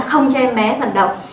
không cho em bé vận động